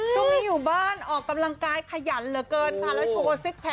ช่วงนี้อยู่บ้านออกกำลังกายขยันเหลือกันค่ะ